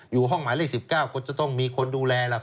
อยู่ห้องหมายเลข๑๙ก็จะต้องมีคนดูแล